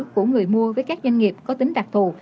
của người mua với các doanh nghiệp có tính đặc thù